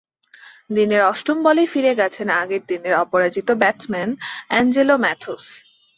দিনের অষ্টম বলেই ফিরে গেছেন আগের দিনের অপরাজিত ব্যাটসম্যান অ্যাঞ্জেলো ম্যাথুস।